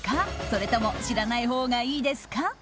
それとも知らないほうがいいですか？